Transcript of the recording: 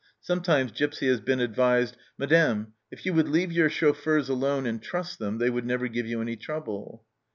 Sometimes Gipsy has been advised, " Madame, if you would leave your chauffeurs alone and trust them, they would never give you any trouble."